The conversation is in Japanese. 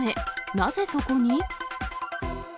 なぜそこに？